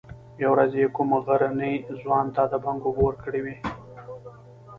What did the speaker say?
يوه ورځ يې کوم غرني ځوان ته د بنګو اوبه ورکړې وې.